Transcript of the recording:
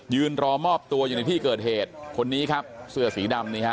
รอมอบตัวอยู่ในที่เกิดเหตุคนนี้ครับเสื้อสีดำนี่ฮะ